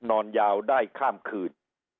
นอนยาวได้ข้ามคืน